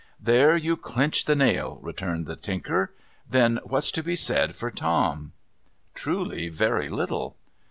' There you clench the nail,' returned the Tinker. ' Then what's to be said for Tom ?'' Truly, very little.'